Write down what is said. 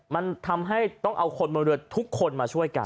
มันทำให้ต้องเอาคนบนเรือทุกคนมาช่วยกัน